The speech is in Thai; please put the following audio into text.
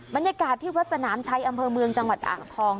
บรรยากาศที่วัดสนามชัยอำเภอเมืองจังหวัดอ่างทอง